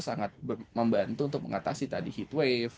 sangat membantu untuk mengatasi tadi heat wave